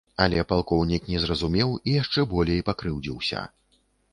Але палкоўнік не зразумеў і яшчэ болей пакрыўдзіўся.